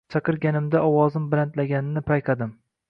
chaqirganimda ovozim balandlaganini payqadim